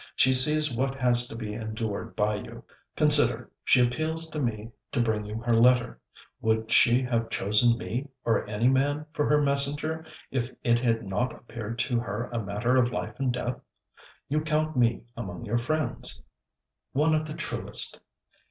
She sees what has to be endured by you. Consider: she appeals to me to bring you her letter. Would she have chosen me, or any man, for her messenger, if it had not appeared to her a matter of life and death? You count me among your friends.' 'One of the truest.'